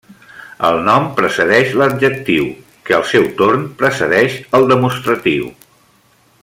El nom precedeix l'adjectiu, que al seu torn precedeix el demostratiu.